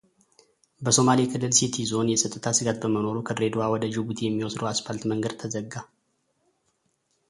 በሶማሌ ክልል ሲቲ ዞን የፀጥታ ስጋት በመኖሩ ከድሬዳዋ ወደ ጅቡቲ የሚወስደው አስፓልት መንገድ ተዘጋ።